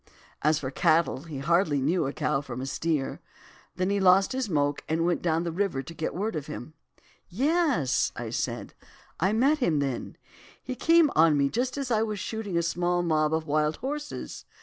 As for cattle, he hardly knew a cow from a steer. Then he lost his moke and went down the river to get word of him.' "'Yes!' I said. 'I met him then; he came on me just as I was shooting a small mob of wild horses.